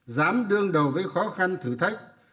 dám đương đầu với khó khăn thử thách